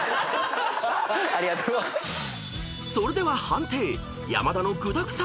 ［それでは判定］